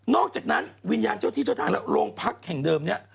อกจากนั้นวิญญาณเจ้าที่เจ้าทางแล้วโรงพักแห่งเดิมนี้